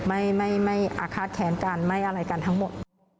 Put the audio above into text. ไม่ไม่อาฆาตแค้นกันไม่อะไรกันทั้งหมด